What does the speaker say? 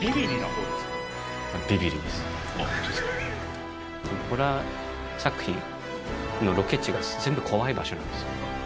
ホラー作品のロケ地が全部怖い場所なんですよ。